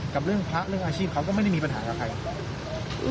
กับเรื่องพระเรื่องอาชีพเขาก็ไม่ได้มีปัญหากับใคร